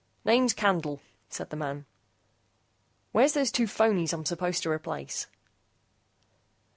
"Name's Candle," said the man. "Where's those two phonies I'm supposed to replace?"